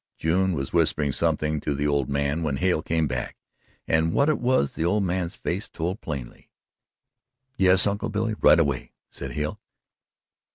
June was whispering something to the old man when Hale came back, and what it was the old man's face told plainly. "Yes, Uncle Billy right away," said Hale.